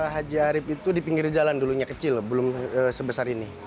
haji arief itu di pinggir jalan dulunya kecil belum sebesar ini